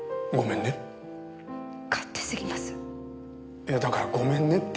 いやだからごめんねって言って。